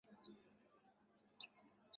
殿试登进士第二甲第三十九名。